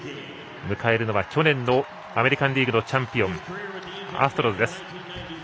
迎えるのは去年のアメリカンリーグのチャンピオンアストロズです。